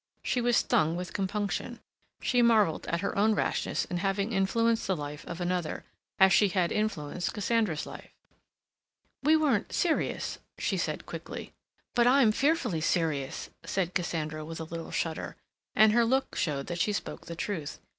She was stung with compunction. She marveled at her own rashness in having influenced the life of another, as she had influenced Cassandra's life. "We weren't serious," she said quickly. "But I'm fearfully serious," said Cassandra, with a little shudder, and her look showed that she spoke the truth.